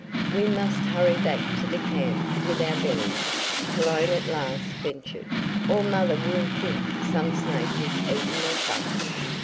"We must hurry back to the camp with our berries," Cologne at last ventured, "or mother will think some snake has eaten us up."